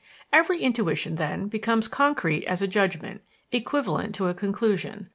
Every intuition, then, becomes concrete as a judgment, equivalent to a conclusion.